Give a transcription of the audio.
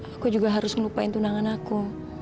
aku juga harus melupain tunangan aku